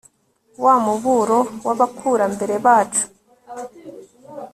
wa muburo w'abakurambere bacu